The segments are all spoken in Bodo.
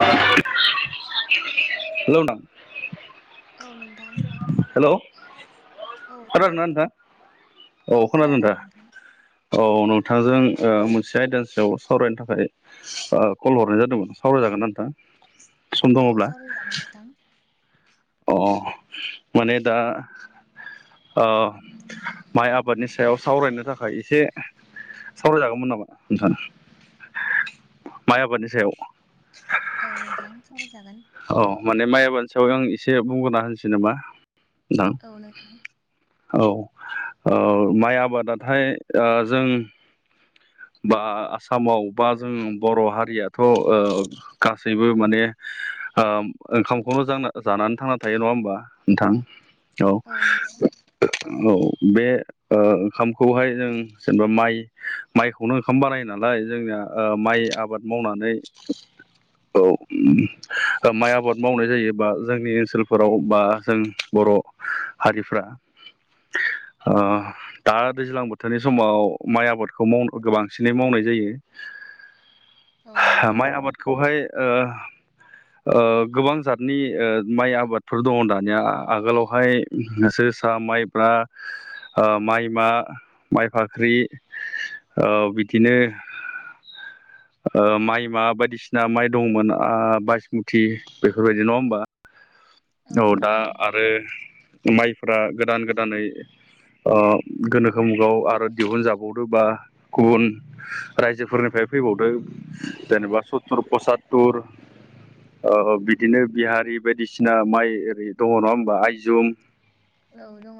औ हेल नां औ नों हेलौ औ नोंथां औ खोनादों दा औ नोंथांजों मोनसे आयदानि सायाव सावरायनो थाखाय कल हरनाय जादोंमोन सावरायजागोन नोंथां सम औ दङब्ला सावरायजागोन नोंथां अ माने दा ओ माइ आबादनि सायाव सावरायनो थाखाय एसे सावरायजागौमोन नामा नोंथां माइ आबादनि सायाव औ नोंथां सावरायजागोन औ माने माइ आबानि सायाव आं एसे बुंग्रोना होनसै नामा औ औ माइ आबादाथाय जों बा आसामाव बा जों बर' हारियाथ' गासैबो माने ओंखामखौल' जों जानानै थांना थायो नङा होमबा नोंथां औ औ बे ओंखामखौहाय जों जेनेबा माइ माइखौनो ओंखाम बानाय नालाय जोंनिया माइ आबाद मावनानै औ माइ आबाद मावनाय जायोबा जोंनि ओनसोलफोराव बा जों बर' हारिफ्रा ओ दा दैज्लां बोथोरनि समाव माइ आबाद खौ गोबांसिनै मावनाय औ जायो नंगौ माइ आबाद खौहाय ओ ओ गोबां जातनि माइ आबादफोर दङ दानिया आगोलावहाय जोसा माइब्रा माइ मा माइ फाख्रि औ बिदिनो ओ माइ मा बायदिसिना माइ दंमोन बायसमुथि बेफोरबायदि नङा होमबा औ दा आरो माइफ्रा गोदान गोदानै गोनोखो मुगाव आरो दिहुनजा वावदो बा गुबुन रायजोफोरनिफ्राय फैबावदो जेनेबा सुथुर प्रसाद तुर ओ बिदिनो बिहारि बायदिसिना माइ ओरै दङ नङा होमबा आइजुम औ दङ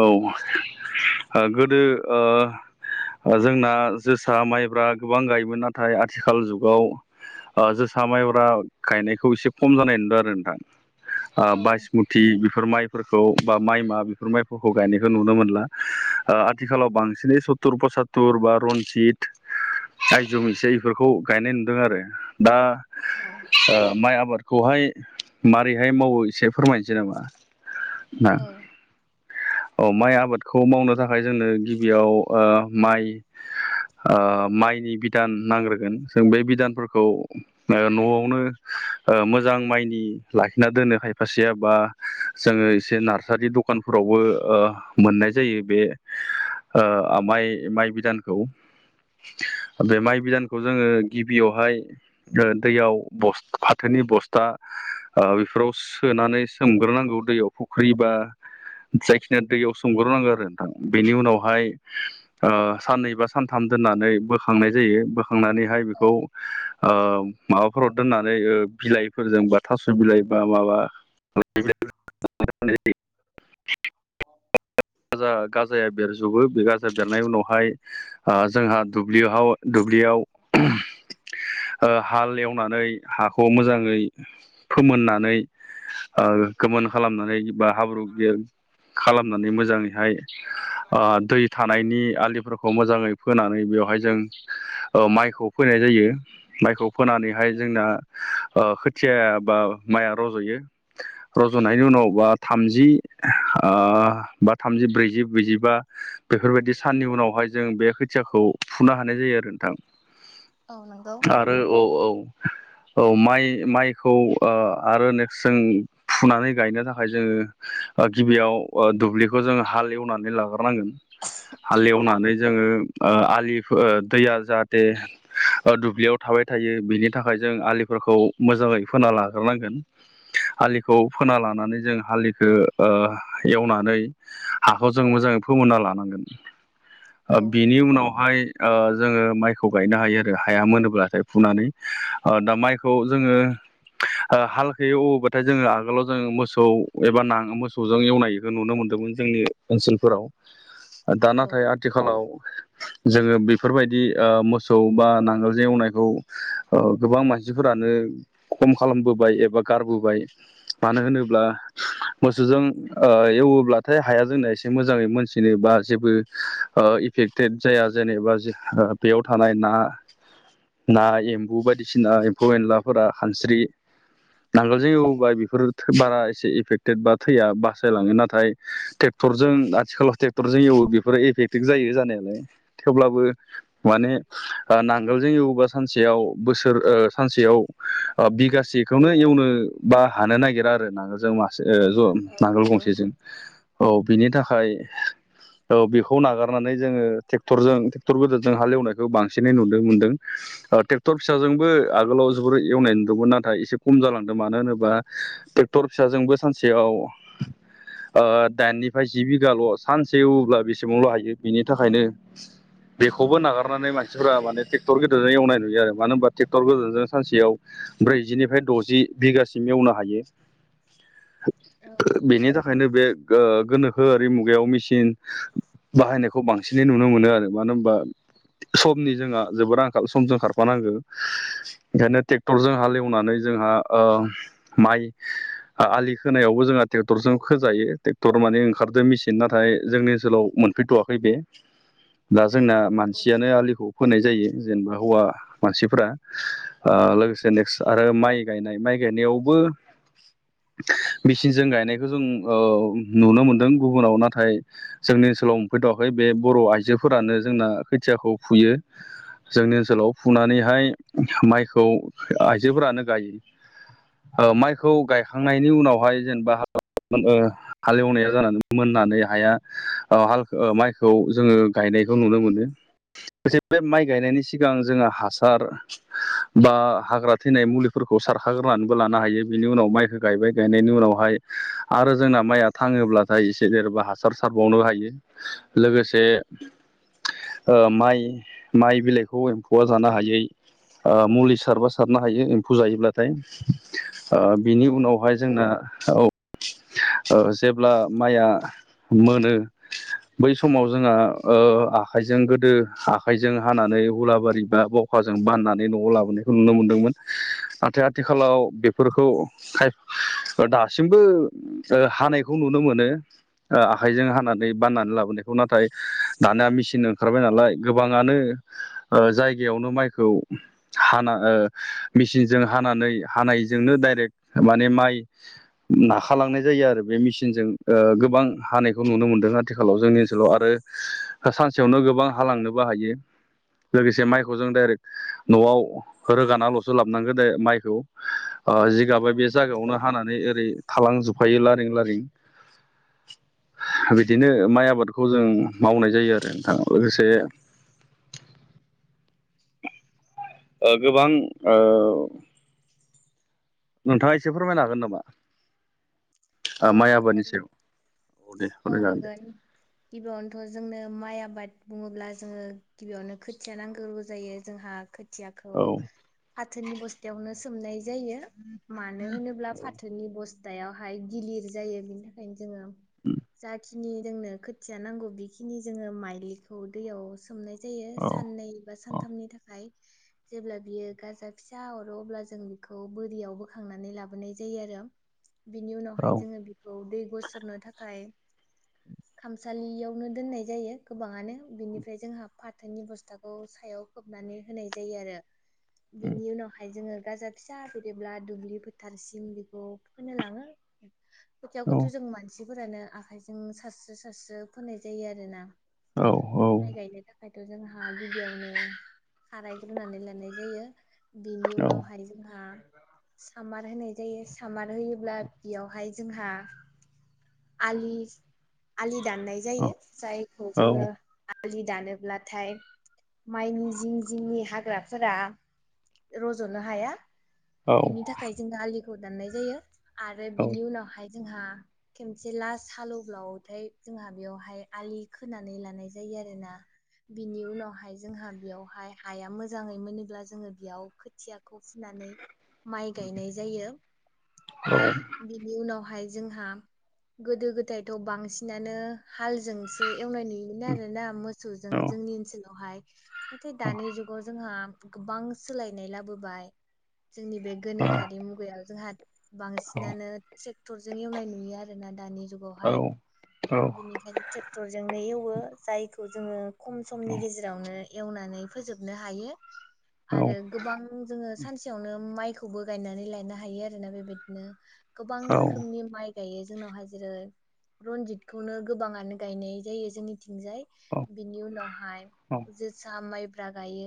औ गोदो जोंना जोसा माइब्रा गोबां गायोमोन नाथाय आथिखाल जुगाव जोसा माइब्रा गायनायखौ एसे खम जानाय नुदों आरो नोंथां ओ बायसमुथि बेफोर माइफोरखौ बा माइ मा बेफोर माइ खौ गायनायखौ नुनो मोनला आथिखालाव बांसिनै सतुर पसात्तुर बा रनजित आइजुम एसे बेफोरखौ गायनाय नुदों आरो दा औ ओ माइ आबादखौहाय मारैहाय मावो एसे फोरमायनोसै नामा ना औ औ माइ आबादखौ मावनो थाखाय जोंनो गिबियाव ओ माइ ओ माइनि बिधान नांग्रोगोन जों बे बिदानफोरखौ न'आवनो मोजां माइनि लाखिना दोनो खायफासेया बा जोंङो एसे नार्सारि दखानफोरावबो मोननाय जायो बे ओ माइ माइ बिदानखौ माइ बिदानखौ जोंङो गिबियावहाय दैयाव बस फाथोनि बस्था बेफोराव सोनानै सोमग्रोनांगौ दैयाव। फुख्रिबा जायखिनिया दैयाव सोमग्रोनांगौ आरो नोंथां बेनि उनावहाय ओ साननै बा सानथाम दोननानै बोखांनाय जायो बोखांनानैहाय औ बेखौ ओ माबाफोराव दोननानै बिलाइफोरजों बा थास' बिलाइ बा माबा [unintelligible] गाजा गाजा जाया बेरजोबो बे गाजा बेरनायनि उनावहाय अ जोंहा दुब्लिहाव दुब्लियाव ओ हाल एवनानै हाखौ मोजाङै फोमोननानै ओ गोमोन खालामनानै बा हाब्रु गेल खालामनानै मोजाङैहाय अ दै थानायनि आलिफोरखौ खौ मोजाङै फोनानै बेवहाय जों ओ माइखौ फोनाय जायो। माइखौ फोनानैहाय जोंना ओ खोथिया बा माइआ रज'यो रज'नायनि उनाव बा थामजि ओ बा थामजि ब्रैजि ब्रैजिबा बेफोरबायदि साननि उनावहाय जों बे खोथियाखौ फुनो हानाय जायो आरो नोंथां। औ नांगौ। आरो औ औ। औ माइ माइखौ ओ आरो नेक्स्ट जों फुनानै गायनो थाखाय जोङो ओ गिबियाव दुब्लिखौ जोङो हाल एवनानै लाग्रो नांगोन हालेवनानै जोङो ओ आलि ओ दैया जाहाथे ओ दुब्लियाव थाबाय थायो बिनि थाखाय जों आलिफोरखौ मोजाङै फोना लाग्रोनांगोन। आलिखौ खीना लानानै जों हालिखौ ओ एवनानै हाखौ जों मोजाङै फोमोनना लानांगोन। औ बिनि उनावहाय ओ जोङो माइखौ गायनो हायो आरो हाया मोनोब्लाथाय फुनानै ओ दा माइखौ जोङो ओ हालखो एवोबाथाय जोङो आगोलाव जों मोसौ औ एबा नां मोसौजों एवनायखौ नुनो मोन्दोंमोन जोंनि ओनसोलफोराव। दा औ नाथाय आथिखालाव जोङो बेफोरबायदि ओ मोसौ बा नांगोलजों एवनायखौ ओ गोबां मानसिफोरानो खम खालामबोबाय एबा गारबोबाय। मानो होनोब्ला मोसौजों एवोब्लाथाय हाया जोंना एसे मोजाङै मोनसिनो बा जेबो ओ इफेक्टेड जाया जेनेबा जो ओ बेयाव थानाय ना ना एम्बौ बायदिसिना एम्फौ एनलाफोरा खानस्रि नांगोलजों एवोबा बेफोर थो बारा इफेक्टेड बा थैया बासायलाङो नाथाय ट्रेक्टरजों आथिखालाव ट्रेक्टरजों एवो बेफोर एफेक्ट इफेक्ट जायो जानायालाय थेवब्लाबो माने ओ नांगोलजों एवोबा सानसेयाव बोसोर ओ सानसेयाव ओ बिगासेखौनो एवनो बा हानो नागिरा आरो ना जों मासे ज' औ नांगोल नंगौ गंसेजों औ बिनि थाखाय औ बेखौ नागारनानै जोङो ट्रेक्टरजों ट्रेक्टर गोदोरजों हालेवनायखौ बांसिनै नुनो मोनदों। ओ ट्रेक्टर फिसाजोंबो आगोलाव जोबोर एवनाय नुदोंमोन नाथाय एसे खम जालांदों मानो होनोबा ट्रेक्टर फिसाजोंबो सानसेयाव ओ दाइननिफ्राय जि बिगाल' सानसे एवोब्ला बेसेबांल' हायो बिनि थाखायनो बेखौबो नागारनानै मानसिफोरा माने ट्रेक्टर गोदोरजों एवनाय नुयो आरो मानो होनबा ट्रेक्टर गोदेरजों सानसेयाव। ब्रैजिनिफ्राय द'जि बिगासिम एवनो हायो। औ बेनि थाखायनो बे गो- गोनोखोआरि मुगायाव मेचिन बाहायनायखौ बांसिनै नुनो मोनो आरो मानो। होनबा समनि जोंहा जोबोर आंखाल समजों खारफानांगौ ओंखायनो ट्रेक्टरजों हालेवनानै जोंहा ओ माइ आलि खोनायावबो जोंहा ट्रेक्टरजों खोजायो ट्रेक्टर माने ओंखारदो मेसिन नाथाय जोंनि ओनसोलाव मोन फैथ'वाखै बे दा जोंना मानसियानो आलिखौ खोनाय जायो जेनेबा हौवा मानसिफ्रा ओ लोगोसे नेक्स्ट आरो माइ गायनाय माइ गायनायावबो मेचिनजों गायनायखौ ओ जों नुनो मोनदों गुबुनाव नाथाय जोंनि ओनसोलाव मोनफैथ'वाखै बे बर' आइजोफोरानो जोंना खोथियाखौ फुयो। जोंनि ओनसोलाव फुनानैहाय माइखौ आइजोफोरानो गायो। ओ माइखौ गायखांनायनि उनावहाय जेनेबा हालेवनाया जानानै मोननानै हाया ओ हाल माइखौ जोङो गायनायखौ नुनो मोनो बे माइ गायनायनि सिगां जोङो हासार बा हाग्रा थैनाय मुलिफोरखौ सारखाग्रोनानैबो लानो हायो बिनि उनाव माइखौ गायबाय गायनायनि उनावहाय आरो जोंना माइया थाङोब्लाथाय एसे जेनबा हासार सारबावनो हायो। लोगोसे ओ माइ माइ बिलाइखौ एम्फौआ जानो हायै ओ मुलि सारबा सारनो हायो एम्फौ जायोब्लाथाय ओ बिनि औ उनाव ओ औ ओ जेब्ला माइया मोनो बै समाव जोंहा ओ आखाइजों गोदो आखाइजों हानानै हुलाबारि बा बाव खाजों बाननानै न'आव लाबोनायखौ नुनो मोनदोंमोन नाथाय आथिखालाव बेफोरखौ खाय दासिमबो ओ हानायखौ नुनो मोनो ओ आखाइजों हानानै बाननानै लाबोनायखौ नाथाय दानिया मेसिन ओंखारबाय नालाय गोबाङानो ओ जायगायावनो माइखौ हाना ओ मेसिनजों हानानै हानायजोंनो डाइरेक्ट माने माइ नाखालांनाय जायो आरो बे मेसिनजों ओ गोबां हानायखौ नुनो मोनदों आथिखालाव जोंनि ओनसोलाव आरो सानसेयावनो गोबां हालांनोबो हायो लोगोसे माइखौ जों डाइरेक्ट न'आव रोगानााल'सो लाबोनांगौ दे माइखौ ओ जिगाबो बे औ जागायावनो हानानै ओरै थालांजोबफायो लारिं लारिं बिदिनो माइ आबादखौ जों मावनाय जायो आरो नोंथां लोगोसे ओ गोबां ओ नोंथाङा एसे फोरमायनो हागोन नामा औ आ माइ आबादनि हागोन सायाव दे औ फोरमाय जागोन दे हागोन गिबियावनोथ' जोंनो माइ आबाद बुङोब्ला जोङो। गिबियावनो खोथिया नांगौ जायो जोंहा खोथियाखौ औ फाथोनि बस्था यावनो सोमनाय जायो मानो होनोब्ला औ फाथोनि बस यावहाय गिलिर जायो बिनि थाखायनो जोङो उम जाखिनि जोंनो खोथिया नांगौ बेखिनि जोङो माइलिखौ दैयाव सोमनाय जायो औ साननै बा औ सानथामनि थाखाय जेब्ला बियो गाजा फिसा हरो अब्ला जों बेखौ बोरियाव बोखांनानै लाबोनाय जायो आरो बिनि औ उनावहाय जोङो बेखौ दै गसरनो थाखाय खामसालियावनो दोननाय जायो गोबाङानो बिनिफ्राय जोंहा फाथोनि बस्थाखौ सायाव खोबनानै होनाय जायो आरो बिनि उनावहाय जोङो गाजा फिसा बेरोब्ला दुब्लि फोथारसिम बेखौ फोनो लाङो खोथियावखौथ' औ जों मानसिफोरानो आखाइजों सारस्रो सासस्रो फोनाय जायो आरो ना माइ औ गायनो थाखाय हाथ' जोंहा गिबियावनो खारायग्रोनानै लानाय जायो बिनि औ उनावहाय जोंहा सामार होनाय जायो सामार होयोब्ला बेयावहाय जोंहा आलि आलि दाननाय औ जायो जायखौ जोंङो आ आलि दानोब्लाथाय माइनि जिं जिंनि हाग्राफोर रज'नो हाया। बिनि थाखाय जोङो आलिखौ दाननाय जायो आरो बिनि उनावहाय। जोंहा खमसे लास हालौ ब्लावथाय जोंहा बेयावहाय आलि खोनानै लानाय जायो आरो ना बिनि उनावहाय जोंहा बेयावहाय हाया मोजाङै मोनोब्ला जोङो बेयाव खोथिया खौ फुनानै माइ गायनाय जायो। औ बिनि उनावहाय जोंहा। गोदो गोदायथ' बांसिनानो। हालजोंसो एवनाय नुयोनो आरोना मोसौजों जोंनि ओनसोलावहाय नाथाय दानि जुगाव जोंहा गोबां सोलायनाय लाबोबाय। जोंनि बे गोनोखोआरि मुगायाव जोंहा बांसिनानो ट्रेक्टरजों एवनाय नुयो आरोना दानि जुगावहाय बिनिखायनो ट्रेक्टरजोंनो एवो जायखौ जोङो। खम समनि गेजेरावनो एवनानै फोजोबनो हायो आरो गोबां जोङो सानसेयावनो माइखौबो गायनानै लायानो हायो आरोना बेबायदिनो। गोबां रोखोमनि माइ गायो जोंनावहाय। जेरै रनजितखौनो गोबाङानो गायनाय जायो जोंनि थिंजाय बिनि उनावहाय जोसा माइब्रा गायो।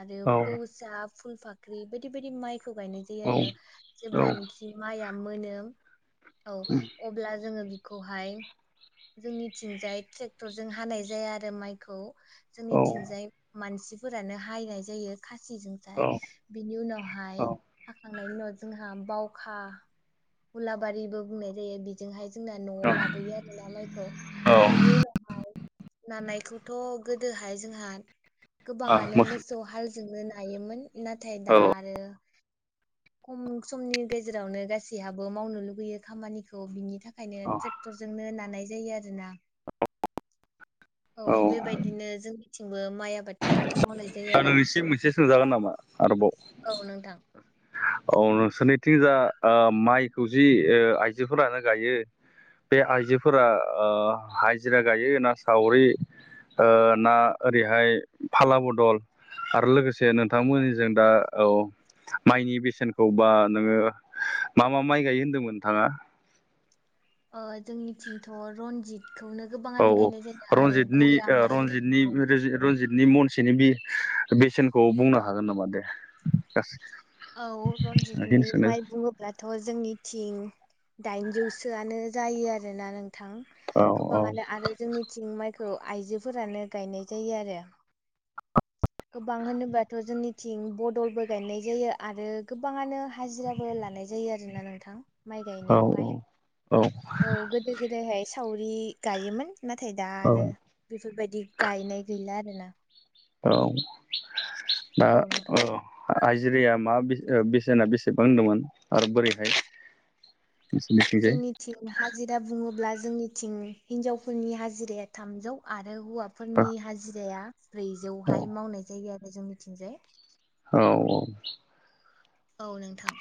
आरो फौसाा फुल फाख्रि बायदि बायदि माइखौ गायनाय जायो आरो जेब्लानाखि। माइया मोनो औ अब्ला जोङो बिखौहाय जोंनिथिंजाय ट्रेक्टर जों हानाय जाया आरो माइखौ जोंनिथिंजाय मानसिफोरानो हायनाय जायो खासिजोंजाय बिनि उनावहाय हाखांनायनि उनाव जोंहा बावखा उलाबारिबो बुंनाय जायो बि जों न'आव लाबोयो आरो ना माइखौ बिनि उनावहाय थ' गोदोहाय जोंहा गोबाङानो मोसौ हालजोंनो नायोमोन। नाथाय दा आरो खम समनि गेजेरावनो गासैहाबो मावनो लुुबैयो खामानिखौ बिनि थाखाय। ओंखायनो ट्रेक्टरजोंनो नानाय जायो आरो ना औ बेबायदिनो जोंनिथिंबो माइ आबाद दा नों एसे मोनसे सोंजागोन नामा आरोबाव औ नोंथां। औ नोंसोरनैथिं जा माइखौ जि आइजोफोरानो गायो। बे आइजोफोरा हाजिराओ गायो ना सावरि ओ ना ओरैहाय फाला बदल आरो लोगोसे नोंथांमोननि जों दा औ माइनि बेसेनखौ बा नोङो मा मा माइ गायो होन्दोंमोन नोंथाङा। जोंनिथिंथ' रनजित खौनो औ गोबाङानो गायनाय जादों आरो गया माइ औ रनजि नि मनसेनि बे बेसेनखौ बुंनो हागोन नामा दे गासै औ रजतनि माइ द थ' जोंनि थटिं दाइनजौसोआनो जायो आरोना नोंथां औ औ गोबाङानो आरो जोंनि थिं माइखौ आइजोफोरानो गायनाय जायो आरो गोबां होनोबाथ' जोंनिथिं बदलबो गायनाय जायो। आरो गोबाङानो हाजिराबो लानाय जायो आरोना नोंथां। माइ औ गायनायावहाय औ औ औ गोदो गोदायहाय सावरि गायोमोन नाथाय दा औ आरो बेफोरबायदि गायनाय गैला आरो ना औ दा औ आइजेरिया मा बेसेना बेसेबां होनदोंमोन आरो बोरैहाय नोंसोरनिथिंजाय थिं हाजिरा बुङोब्ला जोंनि थिं हिनजावफोरनि हाजिराया थामजौ आरो हौवा औ फोरनि हाजिराया ब्रैजौहाय मावनाय जायो आरो जोंनिथिंजाय। औ औ औ नोंथां